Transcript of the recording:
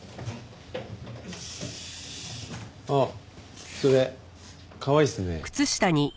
あっそれかわいいっすね。